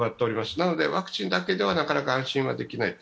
なのでワクチンだけでは、なかなか安心はできない。